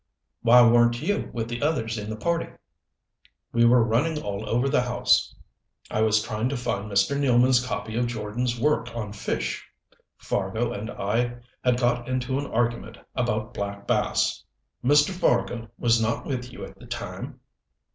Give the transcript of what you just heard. "Why weren't you with the others in the party?" "We were all running all over the house. I was trying to find Mr. Nealman's copy of Jordan's work on fish. Fargo and I had got into an argument about black bass." "Mr. Fargo was not with you at the time?"